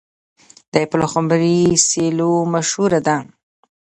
د پلخمري سیلو مشهوره ده.